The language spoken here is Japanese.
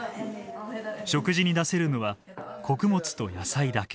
食事に出せるのは穀物と野菜だけ。